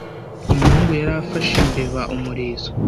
Umuhungu yari afashe imbeba umurizo.